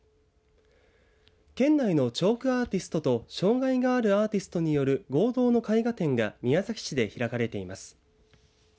県内のチョークアーティストと障害があるアーティストによる合同の絵画展が宮崎市で開かれています。